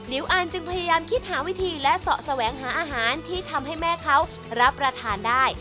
อ่านจึงพยายามคิดหาวิธีและเสาะแสวงหาอาหารที่ทำให้แม่เขารับประทานได้